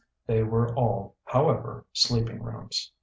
They were all, however, sleeping rooms.